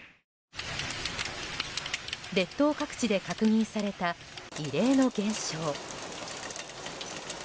列島各地で確認された異例の現象。